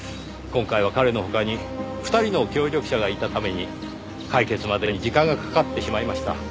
今回は彼の他に２人の協力者がいたために解決までに時間がかかってしまいました。